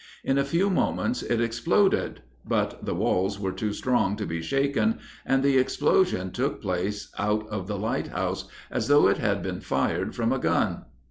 In a few moments it exploded, but the walls were too strong to be shaken, and the explosion took place out of the lighthouse, as though it had been fired from a gun.